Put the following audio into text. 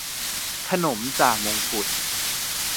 ขนมจ่ามงกุฎ